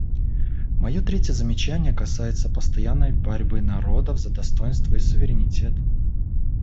Мое третье замечание касается постоянной борьбы народов за достоинство и суверенитет.